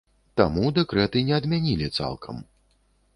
Таму дэкрэт і не адмянілі цалкам.